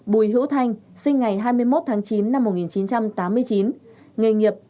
bùi hữu thanh sinh ngày hai mươi một tháng chín năm một nghìn chín trăm tám mươi chín nghề nghiệp